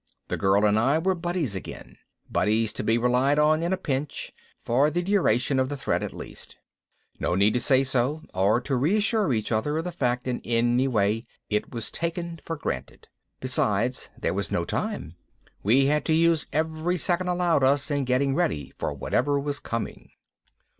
The girl and I were buddies again, buddies to be relied on in a pinch, for the duration of the threat at least. No need to say so or to reassure each other of the fact in any way, it was taken for granted. Besides, there was no time. We had to use every second allowed us in getting ready for whatever was coming.